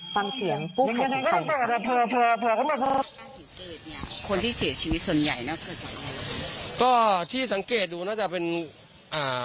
ฟังเสียงกู้ไพของเขา